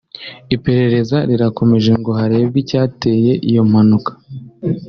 Iperereza rirakomeje ngo harebwe icyateye iyo mpanuka